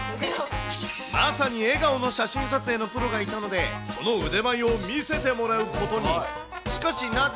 まさに笑顔の写真撮影のプロがいたので、その腕前を見せてもらうことに。